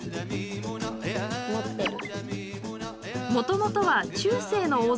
持ってる。